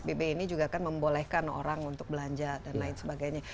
dan saya lihat psbb ini juga kan membolehkan orang untuk belanja dan lain sebagainya